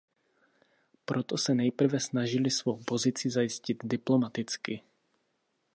Proto se nejprve snažili svou pozici zajistit diplomaticky.